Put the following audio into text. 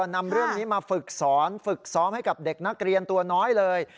นำเรื่องนี้มาฝึกสอนฝึกซ้อมให้กับเด็กนักเรียนตัวน้อยเลย